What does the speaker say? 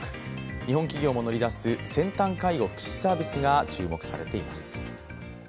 日本企業も乗り出す先端介護・福祉サービスが注目されています。